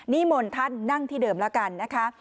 นี่มนทัศน์นั่งที่เดิมแล้วกันนะคะ